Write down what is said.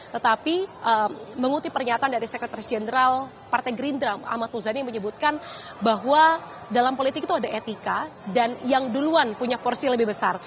tetapi mengutip pernyataan dari sekretaris jenderal partai gerindra ahmad muzani menyebutkan bahwa dalam politik itu ada etika dan yang duluan punya porsi lebih besar